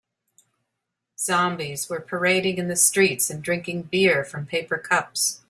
Zombies were parading in the streets and drinking beer from paper cups.